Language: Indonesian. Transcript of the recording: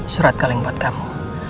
surat kaleng buat kamu